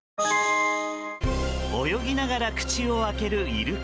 泳ぎながら口を開けるイルカ。